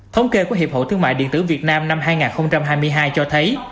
thống kê của hiệp hội thương mại điện tử việt nam năm hai nghìn hai mươi hai cho thấy